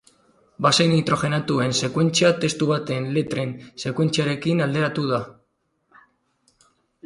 Base nitrogenatuen sekuentzia testu baten letren sekuentziarekin alderatu da.